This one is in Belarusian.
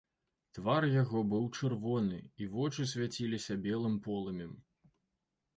Твар яго быў чырвоны, і вочы свяціліся белым полымем.